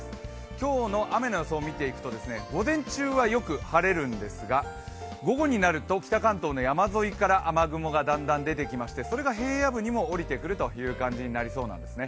今日の雨の予想を見ていくと午前中はよく晴れるんですが、午後になると北関東の山沿いから雨雲がだんだん出てきましてそれが平野部にもおりてくるという感じになりそうなんですね。